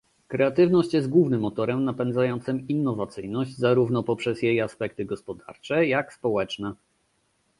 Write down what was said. Kreatywność jest głównym motorem napędzającym innowacyjność zarówno poprzez jej aspekty gospodarcze, jak społeczne